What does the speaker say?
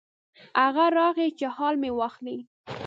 هغه راغی چې حال مې واخلي.